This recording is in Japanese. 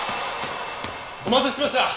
お待たせしました！